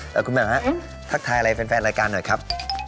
แล้วคุณแม่ทักทายอะไรแฟนรายการหน่อยครับ